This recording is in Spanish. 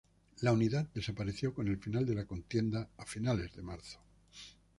La unidad desapareció con el final de la contienda, a finales de marzo.